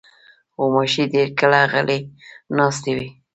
غوماشې ډېر کله غلې ناستې وي.